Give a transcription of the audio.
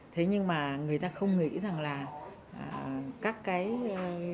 thế nhưng mà người ta không nghĩ rằng là các cái đồ hàng hóa mà để làm những niệm đấy